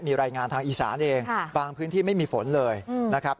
มีรายงานทางอีสานเองบางพื้นที่ไม่มีฝนเลยนะครับ